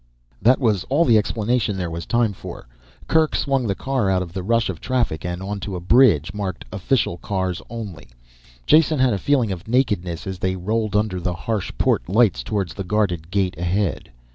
That was all the explanation there was time for. Kerk swung the car out of the rush of traffic and onto a bridge marked Official Cars Only. Jason had a feeling of nakedness as they rolled under the harsh port lights towards the guarded gate ahead.